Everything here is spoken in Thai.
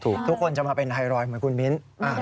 ทุกคนจะมาเป็นไฮรอยเหมือนคุณมิ้น